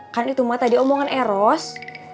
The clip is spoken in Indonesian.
kan itu emak tadi omongan eros